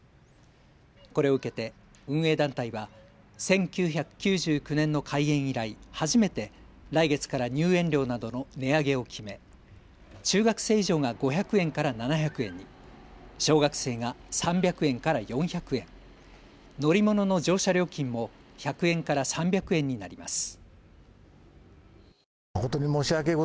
これを受けて運営団体は１９９９年の開園以来、初めて来月から入園料などの値上げを決め中学生以上が５００円から７００円に、小学生が３００円から４００円、乗り物の乗車料金も１００円から３００円になります。